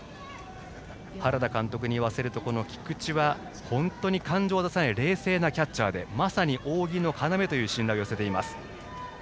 原田監督に言わせるとこの菊池は本当に感情を出さない冷静なキャッチャーでまさに扇の要という信頼を寄せています。